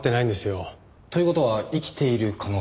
という事は生きている可能性も？